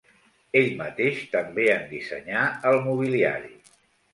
Ell mateix també en dissenyà el mobiliari.